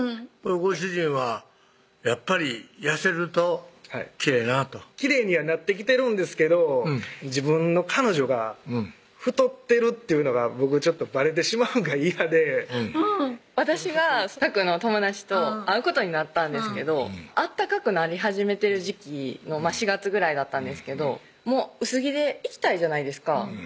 ご主人はやっぱり痩せるときれいなときれいにはなってきてるんですけど自分の彼女が太ってるっていうのが僕ちょっとバレてしまうんが嫌で私がたくの友達と会うことになったんですけど暖かくなり始めてる時季の４月ぐらいだったんですけどもう薄着で行きたいじゃないですか